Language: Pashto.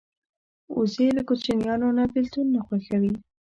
وزې له کوچنیانو نه بېلتون نه خوښوي